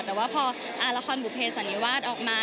แต่ว่าพอละครบุเภสันนิวาสออกมา